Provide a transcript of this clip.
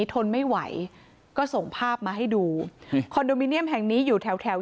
ทนไม่ไหวก็ส่งภาพมาให้ดูคอนโดมิเนียมแห่งนี้อยู่แถวแถว